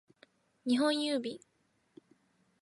日本郵便